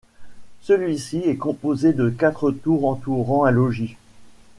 Celui-ci est composé de quatre tours entourant un logis.